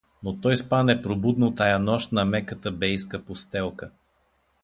Но той спа непробудно тая нощ на меката бейска постелка.